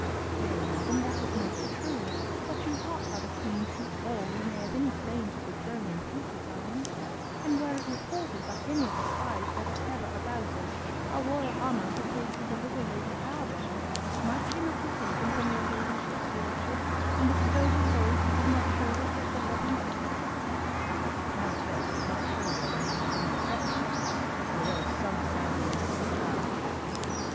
"Yea, madam, that is most true, but you wot how the Queen treats all who may have any claim to the throne in future times; and were it reported by any of the spies that are ever about us, how royal honours were paid to the little Lady Arbell, might she not be taken from your ladyship's wardship, and bestowed with those who would not show her such loving care?" The Countess would not show whether this had any effect on her, or else some sound made by the child attracted her.